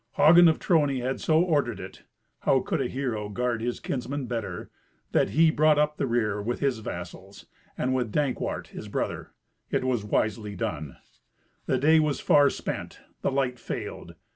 Hagen of Trony had so ordered it (how could a hero guard his kinsmen better) that he brought up the rear with his vassals, and with Dankwart, his brother. It was wisely done. The day was far spent; the light failed.